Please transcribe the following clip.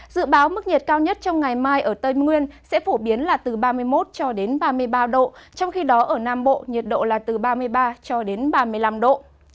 dự báo mức nhiệt cao nhất trong ngày mai ở tây nguyên sẽ phổ biến là từ ba mươi một cho đến ba mươi ba độ trong khi đó ở nam bộ nhiệt độ là từ ba mươi ba cho đến ba mươi năm độ